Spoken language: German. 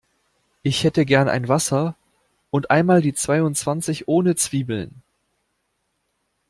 Ich hätte gern ein Wasser und einmal die zweiundzwanzig ohne Zwiebeln.